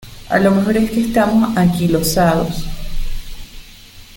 a lo mejor es que estamos anquilosados.